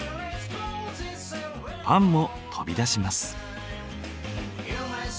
パンも飛び出します。